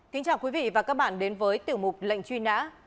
kính chào quý vị và các bạn đến với tiểu mục lệnh truy nã